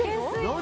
何？